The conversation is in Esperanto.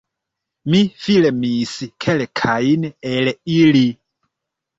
Mi filmis kelkajn el ili